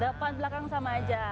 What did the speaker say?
depan belakang sama aja